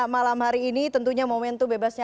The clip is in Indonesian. malam hari ini tentunya momentum bebasnya